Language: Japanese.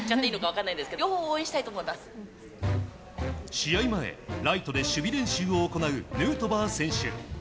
試合前ライトで守備練習を行うヌートバー選手。